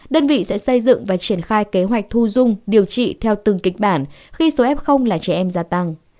đơn vị sẽ xây dựng và triển khai kế hoạch thu dung điều trị theo từng kịch bản khi số f là trẻ em gia tăng